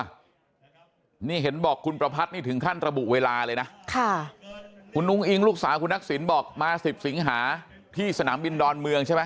นี่เห็นบอกคุณประพัทธ์นี่ถึงขั้นระบุเวลาเลยนะค่ะคุณอุ้งอิงลูกสาวคุณทักษิณบอกมา๑๐สิงหาที่สนามบินดอนเมืองใช่ไหม